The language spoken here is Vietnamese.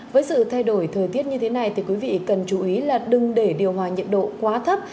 với sự thay đổi thời tiết như thế này thì quý vị cần chú ý là đừng để điều hòa nhiệt độ quá thấp